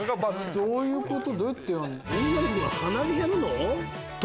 どういうこと？